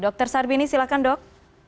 dr sarbini silahkan dok